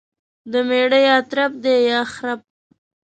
دميړه يا ترپ دى يا خرپ.